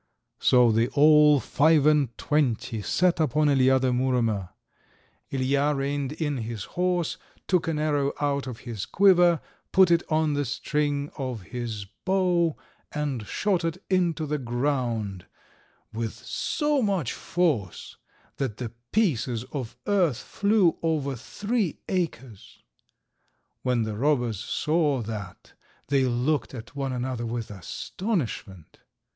So they all, five and twenty, set upon Ilija, the Muromer. Ilija reined in his horse, took an arrow out of his quiver, put it on the string of his bow, and shot it into the ground with so much force that the pieces of earth flew over three acres. When the robbers saw that they looked at one another with astonishment.